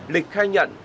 lịch khai nhận